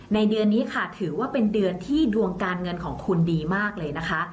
เดือนนี้ค่ะถือว่าเป็นเดือนที่ดวงการเงินของคุณดีมากเลยนะคะ